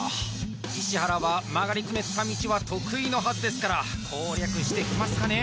石原は曲がりくねった道は得意のはずですから攻略してきますかね